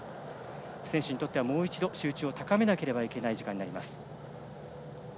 選手にとってはもう一度集中を高めなければいけない時間。